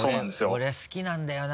俺は好きなんだよな